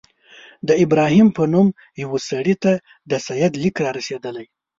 د ابراهیم په نوم یوه سړي ته د سید لیک را رسېدلی.